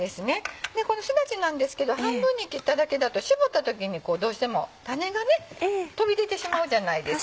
このすだちなんですけど半分に切っただけだと搾った時にどうしても種がね飛び出てしまうじゃないですか。